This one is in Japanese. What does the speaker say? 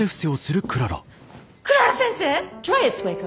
クララ先生！？